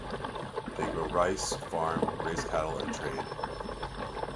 They grow rice, farm, raise cattle, and trade.